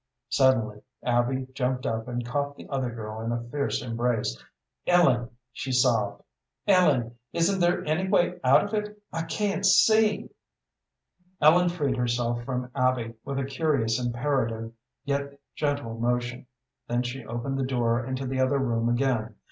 Suddenly Abby jumped up and caught the other girl in a fierce embrace. "Ellen," she sobbed "Ellen, isn't there any way out of it? I can't see " Ellen freed herself from Abby with a curious imperative yet gentle motion, then she opened the door into the other room again.